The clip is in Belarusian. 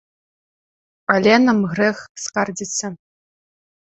Але нам грэх скардзіцца.